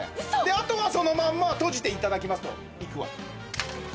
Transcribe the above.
あとはそのまんま閉じていただきますと、ほら。